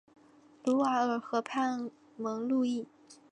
卢瓦尔河畔蒙路易。